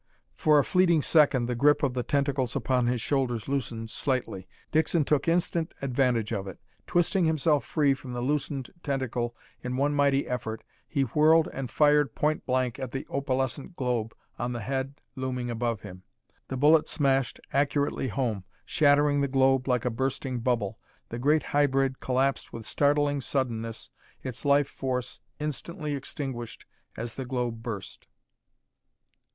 For a fleeting second the grip of the tentacles upon his shoulders loosened slightly. Dixon took instant advantage of it. Twisting himself free from the loosened tentacle in one mighty effort, he whirled and fired pointblank at the opalescent globe on the head looming above him. The bullet smashed accurately home, shattering the globe like a bursting bubble. The great hybrid collapsed with startling suddenness, its life force instantly extinguished as the globe burst.